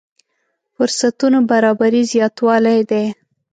فرصتونو برابري زياتوالی دی.